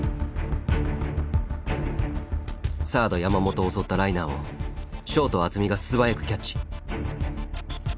サード山本を襲ったライナーをショート渥美が素早くキャッチ。